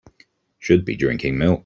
Should be drinking milk.